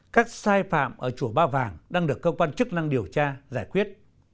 các sai phạm ở chùa ba vàng đang được cơ quan chức năng điều tra giải quyết